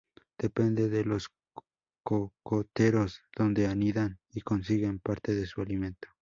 Dependen de los cocoteros, donde anidan y consiguen parte de su alimento.